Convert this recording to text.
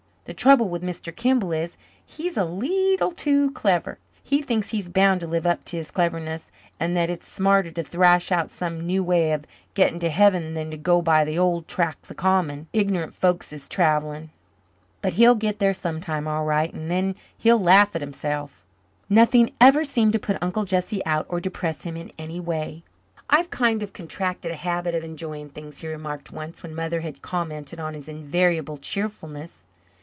The trouble with Mr. Kimball is, he's a leetle too clever. He thinks he's bound to live up to his cleverness and that it's smarter to thrash out some new way of getting to heaven than to go by the old track the common, ignorant folks is travelling. But he'll get there sometime all right and then he'll laugh at himself." Nothing ever seemed to put Uncle Jesse out or depress him in any way. "I've kind of contracted a habit of enjoying things," he remarked once, when Mother had commented on his invariable cheerfulness.